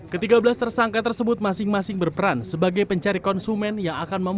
ketiga belas tersangka tersebut masing masing berperan sebagai pencari konsumen yang akan memperole